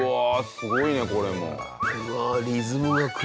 すごいねこれも。